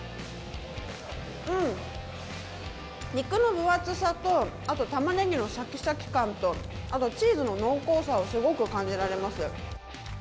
肉の分厚さとあとタマネギのシャキシャキ感とあと、チーズの濃厚さをすごく感じられます。